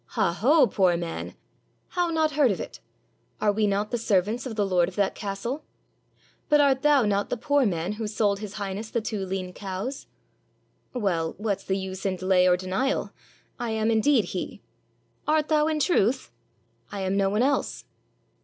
"Haho, poor man! How not heard of it ? Are we not the servants of the lord of that castle? But art thou not the poor man who sold His Highness the two lean cows? " "Well, what's the use in delay or denial ? I am, in deed, he." "Art thou in truth?" "I am no one else."